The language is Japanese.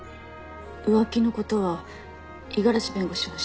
浮気の事は五十嵐弁護士は知ってるんですか？